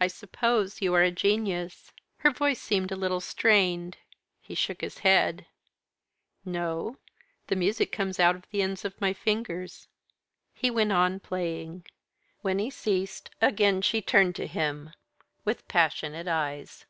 "I suppose you are a genius?" Her voice seemed a little strained. He shook his head. "No the music comes out of the ends of my fingers." He went on playing. When he ceased, again she turned to him with passionate eyes.